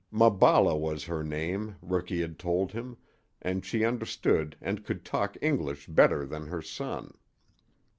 Maballa was her name, Rookie had told him, and she understood and could talk English better than her son.